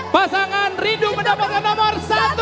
pasangan rindu mendapatkan nomor satu